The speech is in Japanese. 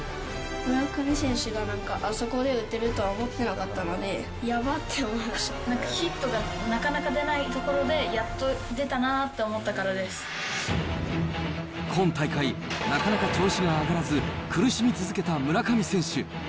村上選手がなんかあそこで打てるとは思ってなかったので、なんかヒットがなかなか出ないところで、今大会、なかなか調子が上がらず、苦しみ続けた村上選手。